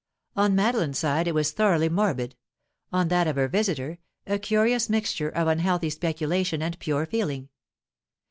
On Madeline's side it was thoroughly morbid; on that of her visitor, a curious mixture of unhealthy speculation and pure feeling.